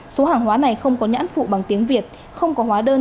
số hàng hóa này không có nhãn phụ bằng tiếng việt không có hóa đơn